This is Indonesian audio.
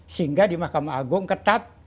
sehingga di mahkamah agung ketat